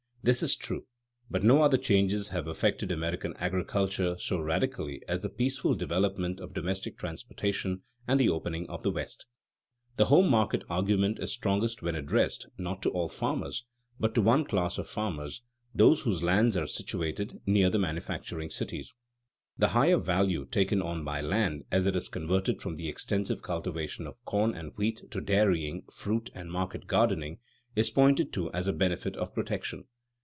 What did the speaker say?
This is true, but no other changes have affected American agriculture so radically as the peaceful development of domestic transportation and the opening of the West. [Sidenote: As to the value of farm lands] The home market argument is strongest when addressed, not to all farmers, but to one class of farmers, those whose lands are situated nearer the manufacturing cities. The higher value taken on by land as it is converted from the extensive cultivation of corn and wheat to dairying, fruit, and market gardening, is pointed to as a benefit of protection.